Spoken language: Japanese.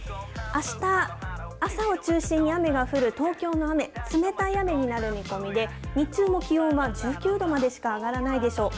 あした朝を中心に雨が降る東京の雨、冷たい雨になる見込みで、日中も気温は１９度までしか上がらないでしょう。